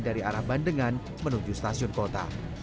dari arah bandengan menuju stasiun kota